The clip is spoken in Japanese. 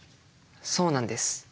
そうなんです。